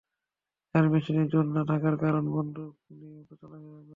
যার মেশিনে জোর না থাকার কারণে বন্দুক নিয়ে চলাফেরা করে।